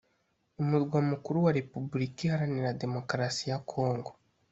umurwa mukuru wa Repubulika iharanira Demokarasi ya Congo